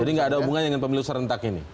jadi tidak ada hubungan dengan pemilu serentak ini